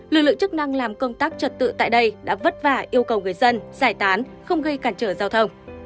lực lượng chức năng làm công tác trật tự tại đây đã vất vả yêu cầu người dân giải tán không gây cản trở giao thông